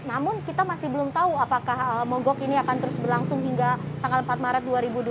namun kita masih belum tahu apakah mogok ini akan terus berlangsung hingga tanggal empat maret dua ribu dua puluh